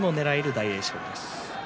大栄翔です。